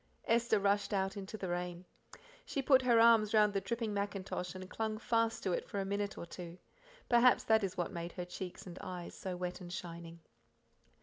Esther rushed out into the rain. She put her arms round the dripping mackintosh and clung fast to it for a minute or two. Perhaps that is what made her cheeks and eyes so wet and shining.